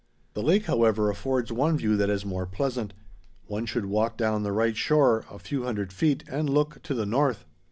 The lake, however, affords one view that is more pleasant. One should walk down the right shore a few hundred feet and look to the north.